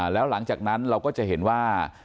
แล้วหลังจากนั้นเราก็จะเห็นว่า